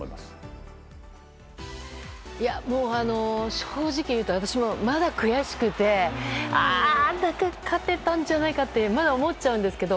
正直言うと私もまだ悔しくて勝てたんじゃないかと思っちゃうんですけど。